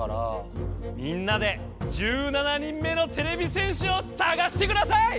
みんなで１７人目のてれび戦士をさがしてください！